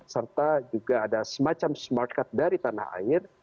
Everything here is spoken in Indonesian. serta juga ada semacam smart card dari tanah air